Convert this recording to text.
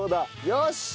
よし！